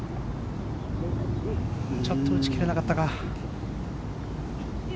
ちょっと打ち切れなかったか。